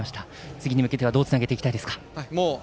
次に向けてはどうつなげていきたいですか。